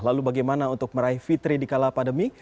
lalu bagaimana untuk meraih fitri di kala pandemi